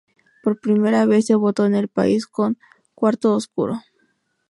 Por primera vez se votó en el país con "cuarto oscuro".